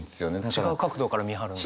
違う角度から見はるんだ。